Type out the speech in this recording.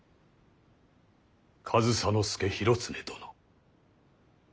上総介広常殿。